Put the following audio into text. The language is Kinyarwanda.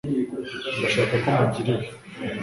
ndashaka ko mugira ibi